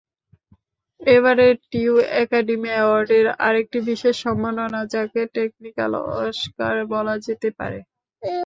এবারেরটিও Academy অ্যাওয়ার্ডের আরেকটি বিশেষ সম্মাননা, যাকে টেকনিক্যাল অস্কার বলা যেতে পারে।